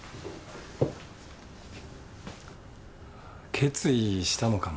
決意したのかも。